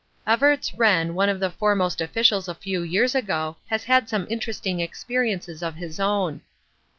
Evarts Wrenn, one of our foremost officials a few years ago, has had some interesting experiences of his own.